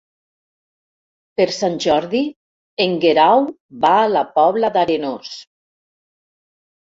Per Sant Jordi en Guerau va a la Pobla d'Arenós.